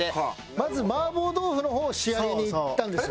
まず麻婆豆腐の方を仕上げにいったんですよね。